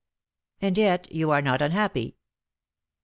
"And yet you are not unhappy."